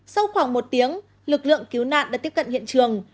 sau khoảng một tiếng lực lượng cứu nạn đã tiếp cận hiện trường